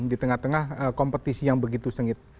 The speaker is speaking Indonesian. di tengah tengah kompetisi yang begitu sengit